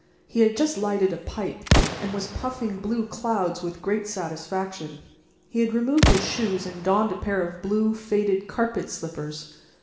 He had just lighted a pipe, and was puffing blue clouds with great satisfaction. He had removed his shoes and donned a pair of blue, faded carpet slippers.